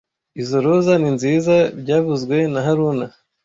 Izo roza ni nziza byavuzwe na haruna